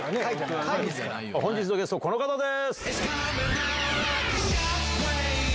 本日のゲストはこの方です。